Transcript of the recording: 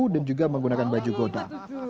dan juga menggunakan baju goda